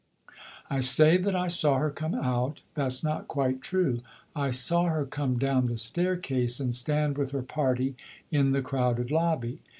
I say that I saw her come out, that's not quite true. I saw her come down the staircase and stand with her party in the crowded lobby.